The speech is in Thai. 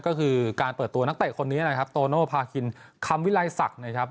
ก็คือการเปิดตัวนักเตะคนนี้นะครับโตโนภาคินคำวิลัยศักดิ์นะครับ